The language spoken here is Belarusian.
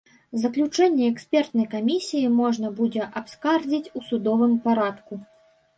Заключэнне экспертнай камісіі можна будзе абскардзіць у судовым парадку.